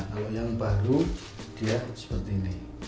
kalau yang baru dia seperti ini